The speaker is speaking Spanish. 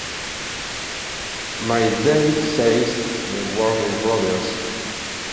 My Dad Says de Warner Bros.